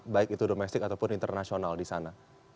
baik itu domestik ataupun internasional di sana